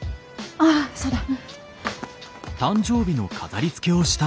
ああそうだ。